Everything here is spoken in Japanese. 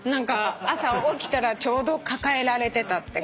朝起きたらちょうど抱えられてたって感じで。